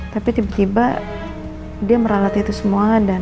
tapi tiba tiba dia meralat itu semua